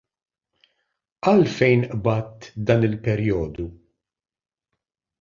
Għalfejn qbadt dan il-perijodu?